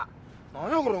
何やこれ？